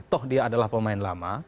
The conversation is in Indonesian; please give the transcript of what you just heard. toh dia adalah pemain lama